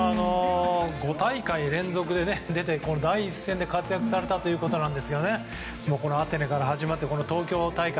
５大会連続で出て第一線で活躍されたということなんですけどアテネから始まって東京大会。